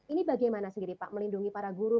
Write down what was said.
ini bagaimana sendiri pak melindungi para guru